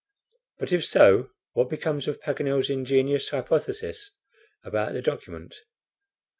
But if so, what becomes of Paganel's ingenious hypothesis about the document?